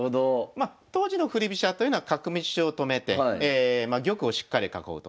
ま当時の振り飛車というのは角道を止めて玉をしっかり囲うと。